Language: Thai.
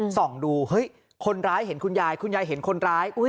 ส่องดูเฮ้ยคนร้ายเห็นคุณยายคุณยายเห็นคนร้าย